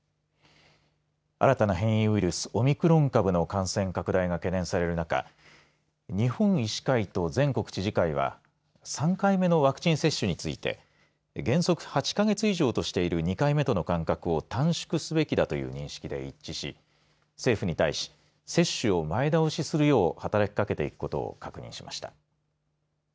新たな変異ウイルスオミクロン株の感染拡大が懸念される中日本医師会と全国知事会は３回目のワクチン接種について原則８か月以上としている２回目との間隔を短縮すべきだという認識で一致し政府に対し接種を前倒しするよう働きかけていくことを確認しました。